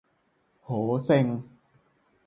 โหเซ็ง